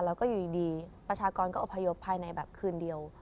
แล้วก็อยู่ดีประชากรก็อพยพภายในแบบคืนเดียว